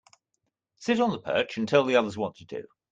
Sit on the perch and tell the others what to do.